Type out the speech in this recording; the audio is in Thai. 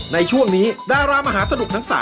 ในช่วงนี้ดารามหาสนุกทั้ง๓